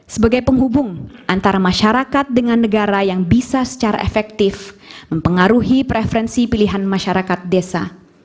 sebagai penghubung antara masyarakat dengan negara yang bisa secara efektif mempengaruhi preferensi pilihan masyarakat desa